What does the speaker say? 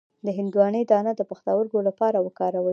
د هندواڼې دانه د پښتورګو لپاره وکاروئ